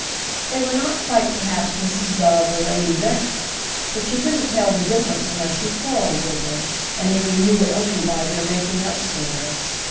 They were not quite perhaps Mrs. Bubb or Lady Ventnor; but you couldn't tell the difference unless you quarrelled with them, and then you knew it only by their making up sooner.